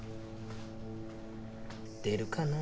出るかな？